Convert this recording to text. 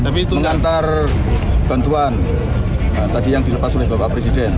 mengantar bantuan tadi yang dilepas oleh bapak presiden